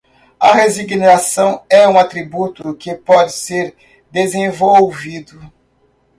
A resignação é um atributo que pode ser desenvolvido